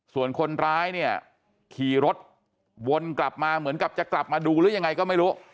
ส่วนคนร้ายเนี่ยขี่รถวนกลับมาเหมือนกับจะกลับมาดูหรือยังไงก็ไม่รู้